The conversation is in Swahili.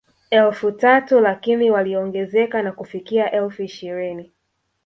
Elfu tatu lakini walioongezeka na kufikia elfu ishirini